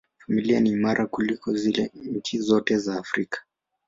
Familia ni imara kuliko zile za nchi zote za Afrika.